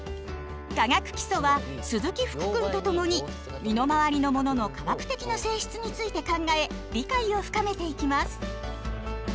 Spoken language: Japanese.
「化学基礎」は鈴木福くんと共に身の回りのものの化学的な性質について考え理解を深めていきます。